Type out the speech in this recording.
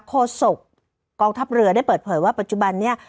โศกกองทัพเรือได้เปิดเผยว่าปัจจุบันนี้